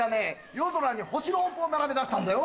夜空に星の音符を並べ出したんだよ。